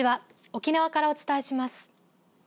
沖縄からお伝えします。